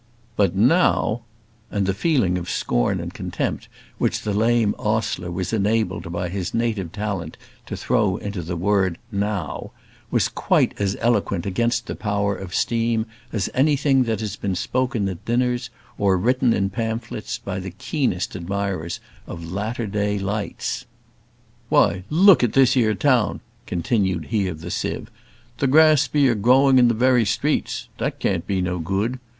But now " and the feeling of scorn and contempt which the lame ostler was enabled by his native talent to throw into the word "now," was quite as eloquent against the power of steam as anything that has been spoken at dinners, or written in pamphlets by the keenest admirers of latter day lights. "Why, luke at this 'ere town," continued he of the sieve, "the grass be a growing in the very streets; that can't be no gude.